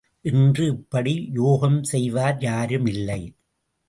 இன்று இப்படி யோகம் செய்வார் யாருமில்லை.